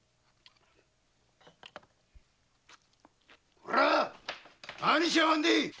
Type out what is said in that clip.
こら何しやがんでえ！